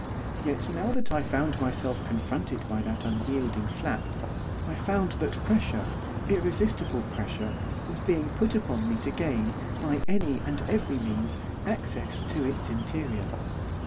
Yet now that I found myself confronted by that unyielding flap, I found that pressure, irresistible pressure, was being put upon me to gain, by any and every means, access to its interior.